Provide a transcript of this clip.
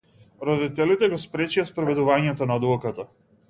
Родителите го спречија спроведувањето на одлуката.